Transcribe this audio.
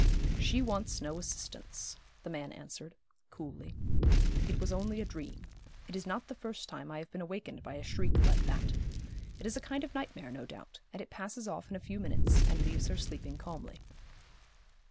'She wants no assistance,' the man answered, coolly. 'It was only a dream. It is not the first time I have been awakened by a shriek like that. It is a kind of nightmare, no doubt; and it passes off in a few minutes, and leaves her sleeping calmly.'